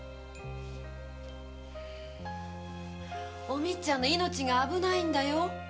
おみつちゃんの命が危ないんだよ。